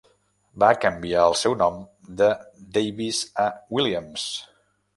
Va canviar el seu nom de Davis a Williams.